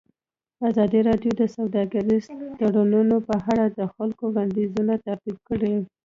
ازادي راډیو د سوداګریز تړونونه په اړه د خلکو وړاندیزونه ترتیب کړي.